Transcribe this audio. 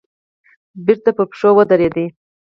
بېرته پر پښو ودرېد.